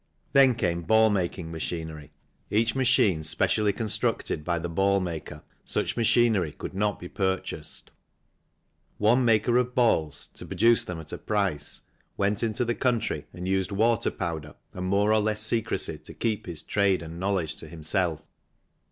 Then came ball making machinery, each machine specially constructed by the ball maker such machinery could not be purchased. One maker of balls, to produce them at a price, went into the country and used water power and more or less secrecy to keep his trade and knowledge to himself.